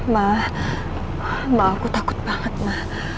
ma ma aku takut banget ma